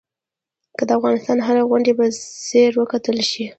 که د افغانستان هره غونډۍ په ځیر وکتل شي.